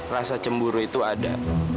rasa cemburu itu ada